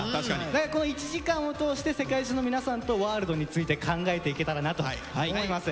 だからこの１時間を通して世界中の皆さんと「ＷＯＲＬＤ」について考えていけたらなと思います。